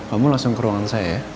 kamu langsung ke ruangan saya